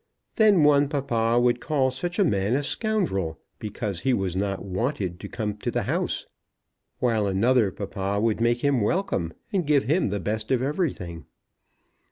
Then one papa would call such a man a scoundrel, because he was not wanted to come to the house; while another papa would make him welcome, and give him the best of everything.